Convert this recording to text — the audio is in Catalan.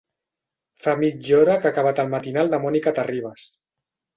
Fa mitja hora que ha acabat el matinal de Mònica Terribas.